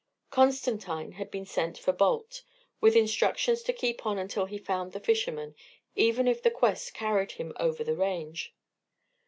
Constantine had been sent for Balt, with instructions to keep on until he found the fisherman, even if the quest carried him over the range.